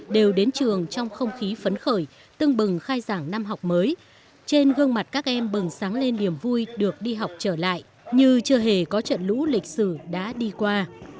đều đến trường trong không khí phấn khởi tưng bừng khai giảng năm học mới trên gương mặt các em bừng sáng lên niềm vui được đi học trở lại như chưa hề có trận lũ lịch sử đã đi qua